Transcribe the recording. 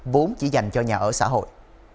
vốn chỉ dành cho nhà ở xã hội